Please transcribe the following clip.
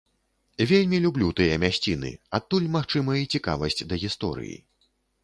Вельмі люблю тыя мясціны, адтуль, магчыма і цікавасць да гісторыі.